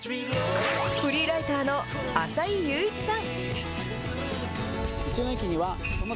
フリーライターの浅井佑一さん。